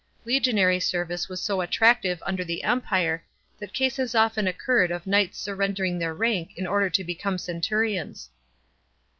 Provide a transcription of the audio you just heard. Legionary service was so attractive under the Empire that cases often occurred of knights surrendering their rank in order to become centurions.